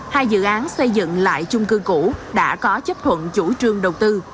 hai dự án xây dựng lại chung cư cũ đã có chấp thuận chủ trương đầu tư